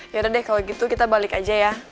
yaudah deh kalau gitu kita balik aja ya